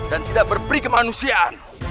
dan tidak berperi kemanusiaan